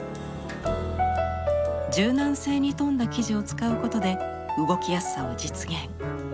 柔軟性に富んだ生地を使うことで動きやすさを実現。